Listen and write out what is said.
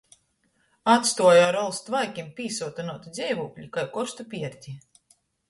Atstuoja ar ols tvaikim pīsuotynuotū dzeivūkli kai korstu pierti.